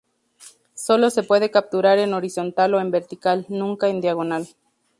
Sólo se puede capturar en horizontal o en vertical, nunca en diagonal.